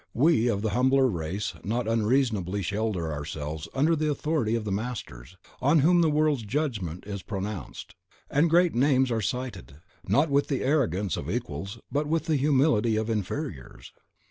We of the humbler race not unreasonably shelter ourselves under the authority of the masters, on whom the world's judgment is pronounced; and great names are cited, not with the arrogance of equals, but with the humility of inferiors.